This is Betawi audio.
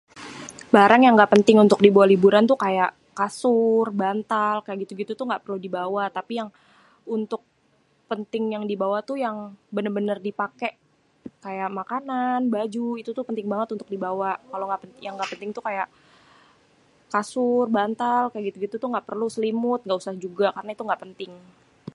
Barang yang gak penting untuk dibawa liburan tuh kaya kasur, bantal kaya gitu-gitu tuh gak perlu dibawa tapi yang untuk penting dibawa tuh yang bener-bener dipake kaya makanan, baju itu tuh penting banget untuk dibawa kalo yang gak penting tuh kaya kasur, bantal, kaya gitu tuh gak penting, selimut gausah juga karena itu gak penting